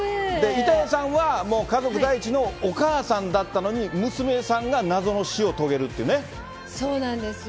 板谷さんはもう家族第一のお母さんだったのに、娘さんが謎のそうなんですよ。